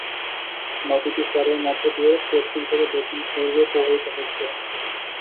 নদীটি শহরের মধ্য দিয়ে পশ্চিম থেকে দক্ষিণ-পূর্বে প্রবাহিত হয়েছে।